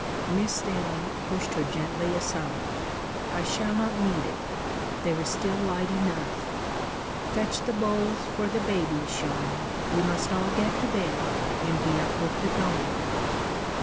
Miss Stanley pushed her gently aside. 'I shall not need it. There is still light enough. Fetch the bowls for the babies, Jeanne. We must all get to bed, and be up with the dawn.'